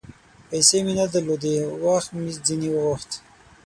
پیسې مې نه درلودې ، وخت مې ځیني وغوښت